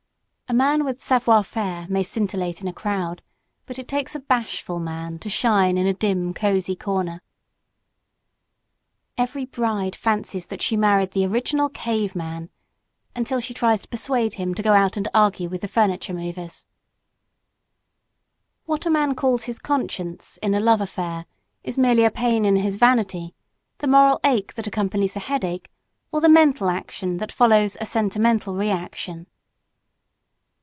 A man with savoir faire may scintillate in a crowd, but it takes a "bashful man" to shine in a dim cozy corner. Every bride fancies that she married the original "cave man" until she tries to persuade him to go out and argue with the furniture movers. What a man calls his conscience in a love affair is merely a pain in his vanity, the moral ache that accompanies a headache, or the mental action that follows a sentimental reaction.